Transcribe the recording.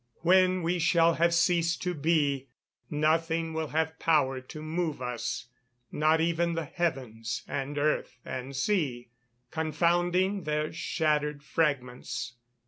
When we shall have ceased to be, nothing will have power to move us, not even the heavens and earth and sea confounding their shattered fragments...."